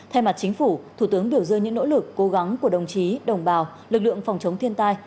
thay mặt chính phủ thủ tướng biểu dương những nỗ lực cố gắng của đồng chí đồng bào lực lượng phòng chống thiên tai